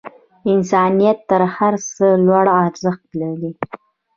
انسانیت تر هر څه لوړ ارزښت دی.